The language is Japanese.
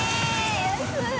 安い。